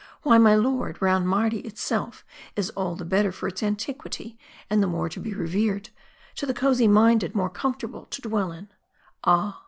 MARDI. 313 Why, my lord, round Mardi itself is all the better for its antiquity, and the more to be revered ; to the eozy minded, more comfortable to dwell in. Ah